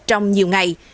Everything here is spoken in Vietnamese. trong nhiều ngày